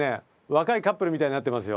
若いカップルみたいになってますよ。